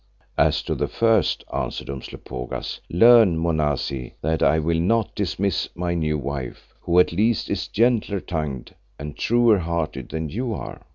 "As to the first," answered Umslopogaas, "learn, Monazi, that I will not dismiss my new wife, who at least is gentler tongued and truer hearted than you are.